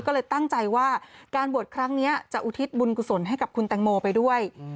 ก็เลยตั้งใจว่าการบวชครั้งนี้จะอุทิศบุญกุศลให้กับคุณแตงโมไปด้วย